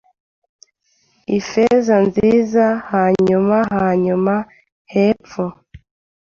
Ifeza nziza hanyuma hanyuma hepfo